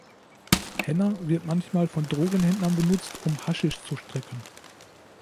Henna wird manchmal von Drogenhändlern benutzt, um Haschisch zu strecken.